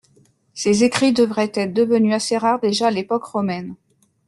Ses écrits devaient être devenus assez rares déjà à l'époque romaine.